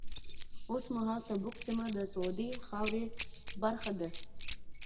اوس مهال تبوک سیمه د سعودي خاورې برخه ده.